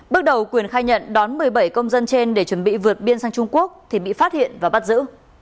bước đầu quyền khai nhận đón một mươi bảy công dân trên để chuẩn bị vượt biên sang trung quốc thì bị phát hiện và bắt giữ